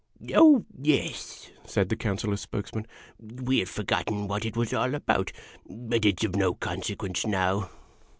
" Oh, yes," said the Councilors' spokesman. "We had forgotten what it was all about. But it 's of no consequence now."